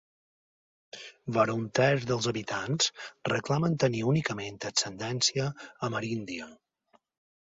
Vora un terç dels habitants reclamen tenir únicament ascendència ameríndia.